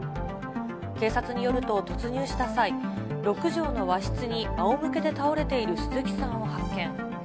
警察によると、突入した際、６畳の和室にあおむけで倒れている鈴木さんを発見。